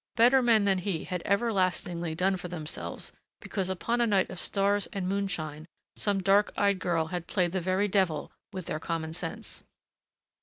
Better men than he had everlastingly done for themselves because upon a night of stars and moonshine some dark eyed girl had played the very devil with their common sense.